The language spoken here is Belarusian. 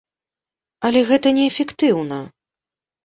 Але гэта не эфектыўна.